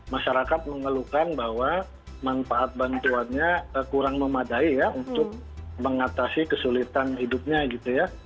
masyarakat mengeluhkan bahwa manfaat bantuannya kurang memadai ya untuk mengatasi kesulitan hidupnya gitu ya